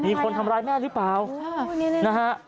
มีคนทำร้ายแม่หรือเปล่านะฮะ